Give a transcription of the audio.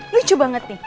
lucu banget nih